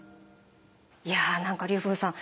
いや何か龍文さん